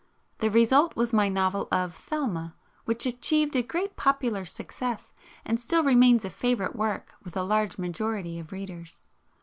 The result was my novel of "Thelma," which achieved a great popular success and still remains a favourite work with a large majority of readers.